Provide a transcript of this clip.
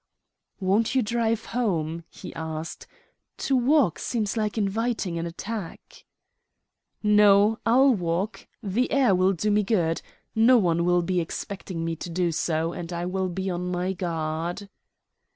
"Won't you drive home?" he asked. "To walk seems like inviting an attack." "No, I'll walk. The air will do me good. No one will be expecting me to do so; and I will be on my guard."